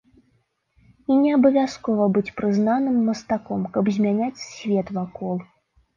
І не абавязкова быць прызнаным мастаком, каб змяняць свет вакол.